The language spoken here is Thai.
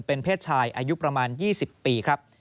เป็นเพศชายอายุประมาณ๒๐ปีครับ